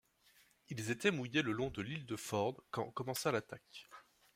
Ils étaient mouillés le long de l'île de Ford quand commença l'attaque.